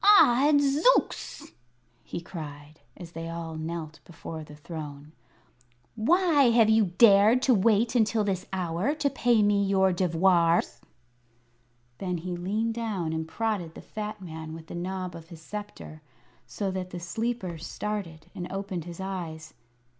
"Odds Zooks!" he cried, as they all knelt before the throne, "why have you dared to wait until this hour to pay me your devoirs?" Then he leaned down and prodded the fat man with the knob of his sceptre, so that the sleeper started and opened his eyes.